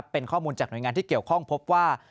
เป็นข้อมูลจากหน่วยงานที่เกี่ยวข้องพบว่า